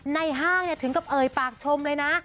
ห้างถึงกับเอ่ยปากชมเลยนะ